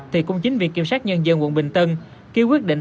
thì cũng chính viện kiểm sát nhân dân quận bình tân kêu quyết định